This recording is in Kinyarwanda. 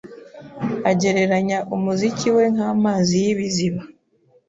Agereranya Umuziki We Nk'amazi Y'ibiziba